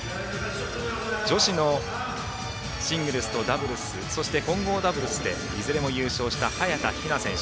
女子のシングルスとダブルスそして、混合ダブルスでいずれも優勝した、早田ひな選手。